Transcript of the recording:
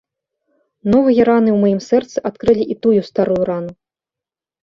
Новыя раны ў маім сэрцы адкрылі і тую старую рану.